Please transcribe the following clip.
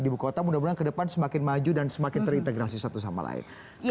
di bukota mudah mudahan ke depan semakin maju dan semakin terintegrasi satu sama lain